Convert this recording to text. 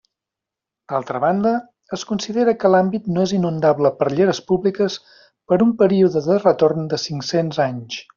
D'altra banda, es considera que l'àmbit no és inundable per lleres públiques per un període de retorn de cinc-cents anys.